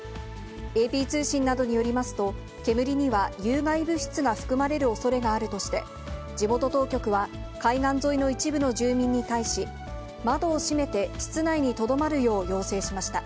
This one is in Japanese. ＡＰ通信などによりますと、煙には有害物質が含まれるおそれがあるとして、地元当局は、海岸沿いの一部の住民に対し、窓を閉めて、室内にとどまるよう要請しました。